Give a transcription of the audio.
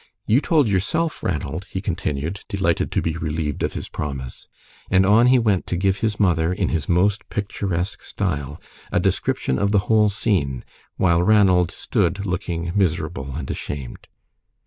You told yourself, Ranald," he continued, delighted to be relieved of his promise; and on he went to give his mother, in his most picturesque style, a description of the whole scene, while Ranald stood looking miserable and ashamed.